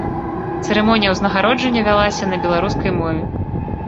Цырымонія ўзнагароджання вялася на беларускай мове.